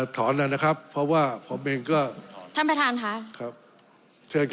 ถอนเลยนะครับเพราะว่าผมเองก็ท่านประธานค่ะครับเชิญครับ